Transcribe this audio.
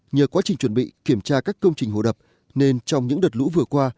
nhờ quá trình chuẩn bị kiểm tra các công trình hồ đập nên trong những đợt lũ vừa qua